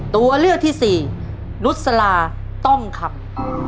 ตัวเลือกที่สี่นุษลาต้องครับ